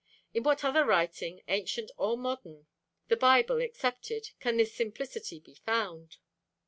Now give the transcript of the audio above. In what other writing, ancient or modern, the Bible excepted, can this simplicity be found?